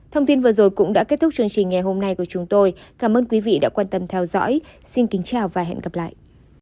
thông tin vừa rồi cũng đã kết thúc chương trình ngày hôm nay của chúng tôi cảm ơn quý vị đã quan tâm theo dõi xin kính chào và hẹn gặp lại